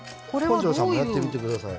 本上さんもやってみてください。